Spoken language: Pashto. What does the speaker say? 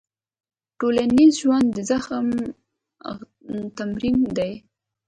ټولنیز ژوند د زغم تمرین دی.